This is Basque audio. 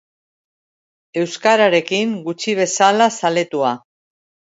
Euskararekin gutxi bezala zaletua.